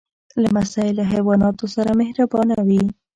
لمسی له حیواناتو سره مهربانه وي.